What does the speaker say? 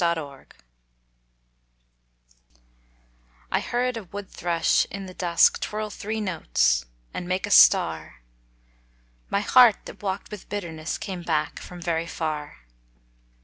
Wood Song I heard a wood thrush in the dusk Twirl three notes and make a star My heart that walked with bitterness Came back from very far.